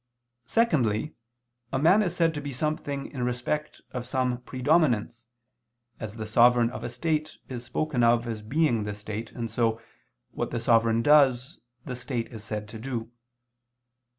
Secondly, a man is said to be something in respect of some predominance, as the sovereign of a state is spoken of as being the state, and so, what the sovereign does, the state is said to do.